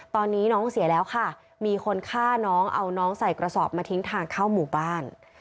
ตอนนี้น้องเสียแล้วค่ะมีคนฆ่าน้องเอาน้องใส่กระสอบมาทิ้งทางเข้าหมู่บ้าน